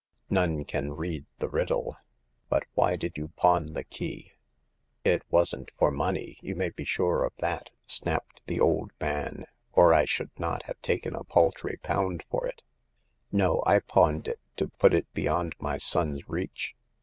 None can read the riddle." But why did you pawn the key ?" 140 Hagar of the Pawn Shop. " It wasn't for money, you maybe sure of that ! snapped the old man — "or I should not have taken a paltry pound for it. No, I pawned it to put it beyond my son's reach.